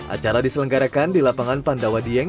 acara diselenggarakan di lapangan pandawa dieng